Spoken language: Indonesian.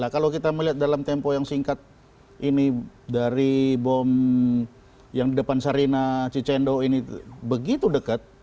kalau kita melihat dalam tempo yang singkat ini dari bom yang di depan sarina cicendo ini begitu dekat